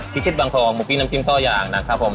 พิชิตบางทองหมูพริกน้ำจิ้มเก้าอย่างนะครับผม